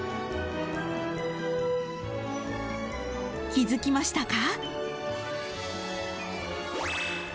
［気付きましたか？］